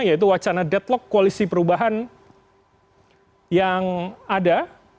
yaitu wacana deadlock koalisi perubahan yang ada